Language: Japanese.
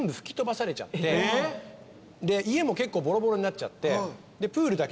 家も結構ボロボロになっちゃって。